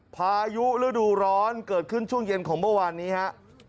พายุฤดูร้อนเกิดขึ้นช่วงเย็นของเมื่อวานนี้ครับ